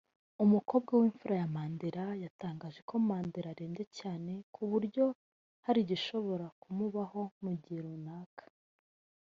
umukobwa w’imfura ya Mandela yatangaje ko Mandela arembye cyane ku buryo hari igishobora kumubaho mu gihe runaka